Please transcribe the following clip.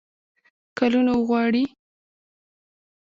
کلونو وغواړي.